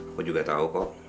aku juga tahu kok